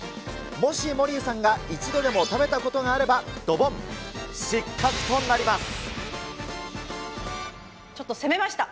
もしモリーさんが一度でも食べたことがあればドボン、失格となりちょっと攻めました。